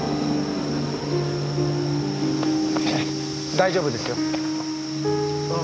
大丈夫ですよ。